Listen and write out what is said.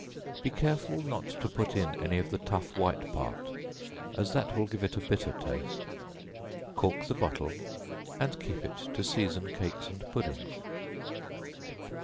Be careful not to put in any of the tough white part, as that will give it a bitter taste; cork the bottle and keep it to season cakes and puddings.